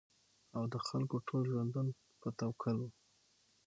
او د خلکو ټول ژوندون په توکل وو